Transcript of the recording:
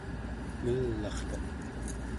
ngel'artuq